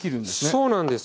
そうなんです。